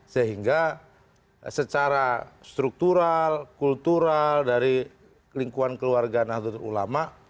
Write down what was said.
sehingga secara struktural kultural dari lingkuan keluarga nahdlatul ulama